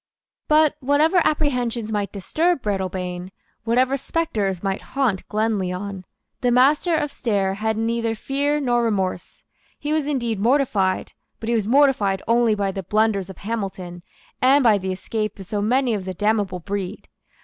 But, whatever apprehensions might disturb Breadalbane, whatever spectres might haunt Glenlyon, the Master of Stair had neither fear nor remorse. He was indeed mortified; but he was mortified only by the blunders of Hamilton and by the escape of so many of the damnable breed.